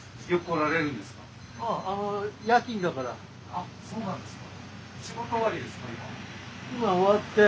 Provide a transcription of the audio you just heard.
あっそうなんですか。